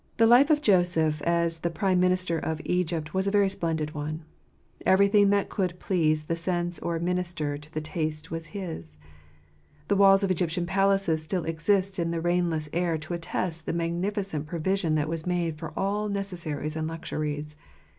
life of Joseph, as the Prime Minister of Egypt, • UiV was a very splendid one. Everything that could please the sense or minister to the taste was his. The walls of Egyptian palaces still exist in the rainless air to attest the magnificent provision that was made for all necessaries and luxuries.